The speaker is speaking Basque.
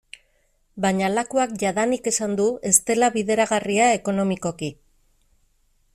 Baina Lakuak jadanik esan du ez dela bideragarria ekonomikoki.